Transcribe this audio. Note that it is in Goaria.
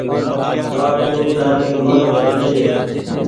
ڪآ تو تآري اومر گھٽ ڇي۔